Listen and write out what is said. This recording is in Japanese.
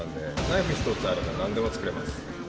ナイフ一つあればなんでも作れます。